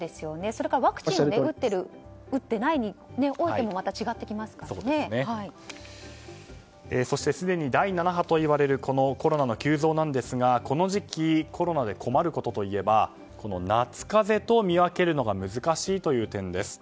それからワクチンを打っている打っていないでもそしてすでに第７波といわれるこのコロナの急増ですがこの時期、コロナで困ることといえば夏風邪と見分けるのが難しい点です。